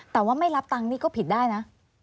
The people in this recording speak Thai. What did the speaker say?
แต่ว่าไม่รับตังค์นี่ก็ผิดได้นะ